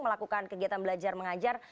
melakukan kegiatan belajar mengajar